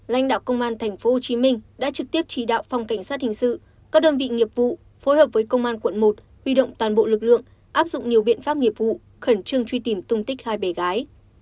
lãnh đạo công an tp hcm đã trực tiếp chỉ đạo phòng cảnh sát hình sự các đơn vị nghiệp vụ phối hợp với công an quận một huy động toàn bộ lực lượng áp dụng nhiều biện pháp nghiệp vụ khẩn trương truy tìm tung tích hai bé gái